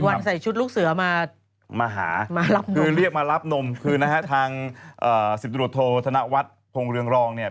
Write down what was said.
อีกวันใส่ชุดลูกเสือมาหามารับนมคือเรียกมารับนมคือนะฮะทางศิพธุโรธโทษณะวัชโภงเรืองรองเนี่ย